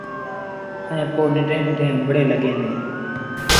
ائيٚݩ پو ننڍيٚݩ ننڍيٚݩ آݩبڙيٚن لڳيٚن ديٚݩ۔